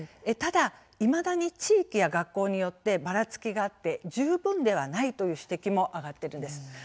ただいまだに地域や学校によってばらつきがあって十分ではないという指摘もあがっています。